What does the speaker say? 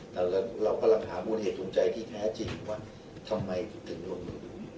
แต่เราก็หามูลเหตุทุนใจที่แท้จริงว่าทำไมถึงโยนอยู่